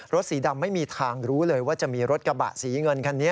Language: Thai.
สีดำไม่มีทางรู้เลยว่าจะมีรถกระบะสีเงินคันนี้